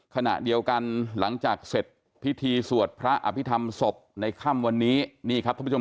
ขณะเดียวกันหลังจากเศรษฐภิตีสวดพระอภิษฐรรมศพในค่ำวันนี้